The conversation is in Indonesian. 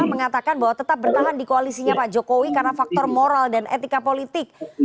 mengatakan bahwa tetap bertahan di koalisinya pak jokowi karena faktor moral dan etika politik